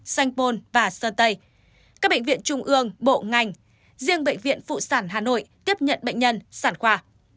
sanh pôn và sơn tây các bệnh viện trung ương bộ ngành riêng bệnh viện phụ sản hà nội tiếp nhận bệnh nhân sản khoa